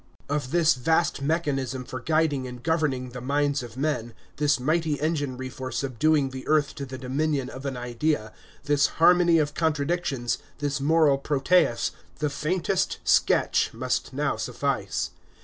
Of this vast mechanism for guiding and governing the minds of men, this mighty enginery for subduing the earth to the dominion of an idea, this harmony of contradictions, this moral Proteus, the faintest sketch must now suffice.